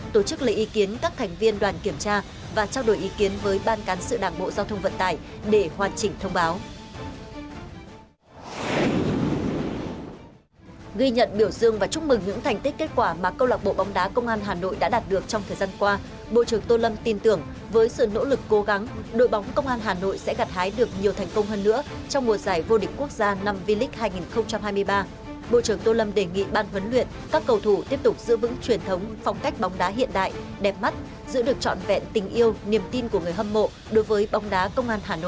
tổ chức lấy ý kiến các thành viên đoàn kiểm tra và trao đổi ý kiến với ban cán sự đảng bộ giao thông vận tải để hoàn chỉnh thông báo